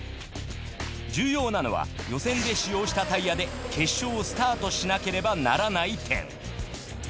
重要なのは予選で使用したタイヤで決勝をスタートしなければならない点。